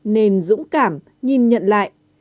nên dũng cảm nhìn nhận lại